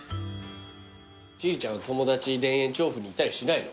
千里ちゃん友達田園調布にいたりしないの？